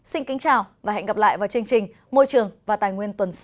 xin kính chào và hẹn gặp lại vào chương trình môi trường và tài nguyên tuần sau